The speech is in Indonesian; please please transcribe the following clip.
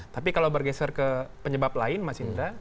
tapi kalau bergeser ke penyebab lain mas indra